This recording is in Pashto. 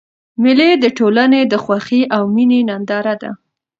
مېلې د ټولني د خوښۍ او میني ننداره ده.